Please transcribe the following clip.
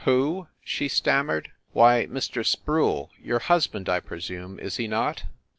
"Who?" she stammered. "Why, Mr. Sproule your husband, I presume is he not?"